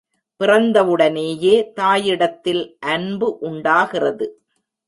பிறந்தவுடனேயே தாயிடத்தில் அன்பு உண்டாகிறது.